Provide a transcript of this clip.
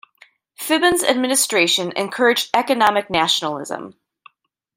Phibun's administration encouraged economic nationalism.